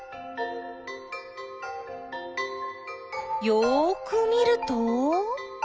よく見ると？